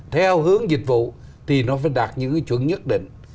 theo hướng dịch vụ thì nó phải đạt những chuẩn nhất định